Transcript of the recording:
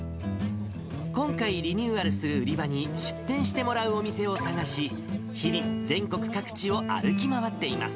今回、リニューアルする売り場に出店してもらうお店を探し、日々、全国各地を歩き回っています。